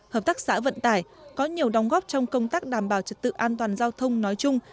hợp tác xã vận tải có nhiều đóng góp trong công tác đảm bảo trật tự an toàn giao thông nói chung